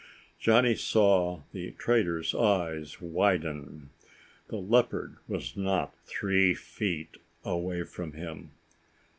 Johnny saw the trader's eyes widen. The leopard was not three feet away from him.